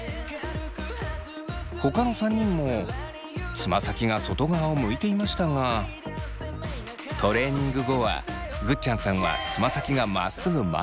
ほかの３人もつま先が外側を向いていましたがトレーニング後はぐっちゃんさんはつま先がまっすぐ前を向くように。